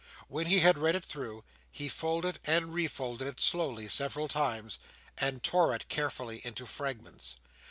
When he had read it through, he folded and refolded it slowly several times, and tore it carefully into fragments.